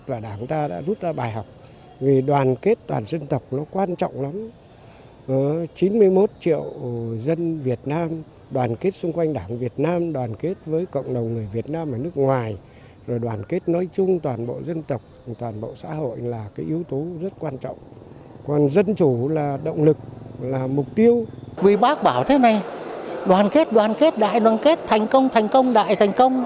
vì bác bảo thế này đoàn kết đoàn kết đại đoàn kết thành công thành công đại thành công